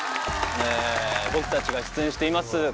僕達が出演しています